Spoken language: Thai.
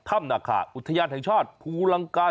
ท่ำอรักษ์อุทยาลัยธักษ์ภูรังกา